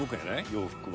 洋服は。